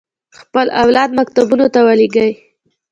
خپل اولاد مکتبونو ته ولېږي.